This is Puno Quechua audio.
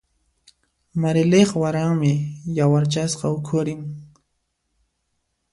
Marilyq waranmi yawarchasqa ukhurin.